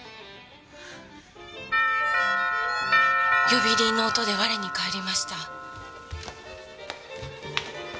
呼び鈴の音で我に返りました。